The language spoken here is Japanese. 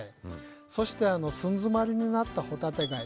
そして寸詰まりになった帆立貝。